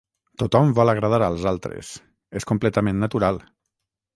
Tothom vol agradar als altres, és completament natural.